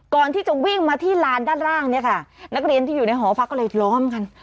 ก่อนที่จะวิ่งมาที่ลานด้านล่างเนี่ยค่ะนักเรียนที่อยู่ในหอพักก็เลยล้อมกัน